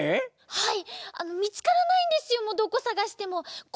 ☎はい。